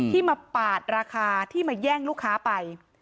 ที่มาปาดราคาที่มาแย่งลูกค้าไป